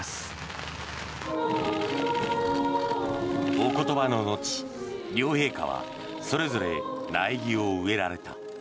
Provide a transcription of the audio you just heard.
お言葉の後、両陛下はそれぞれ苗木を植えられた。